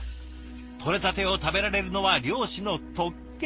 とれたてを食べられるのは漁師の特権！